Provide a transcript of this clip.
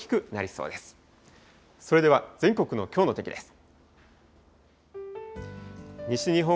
それでは全国のきょうの天気です。